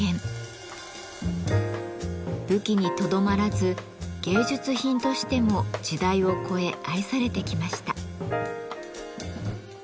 武器にとどまらず芸術品としても時代を越え愛されてきました。